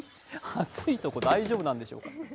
暑いとこ大丈夫なんでしょうか。